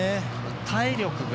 体力が、